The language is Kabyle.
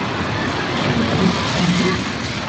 Uhuh! D tidet?